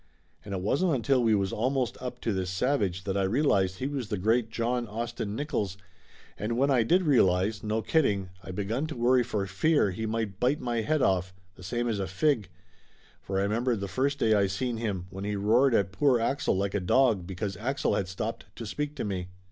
And it wasn't until we was almost up to this savage that I realized he was the great John Austin Nickolls, and when I did realize, no kidding, I begun to worry for fear he might bite my head off, the same as a fig, for I remembered the first day I seen him, when he roared at poor Axel like a dog because Axel had stopped to speak to me.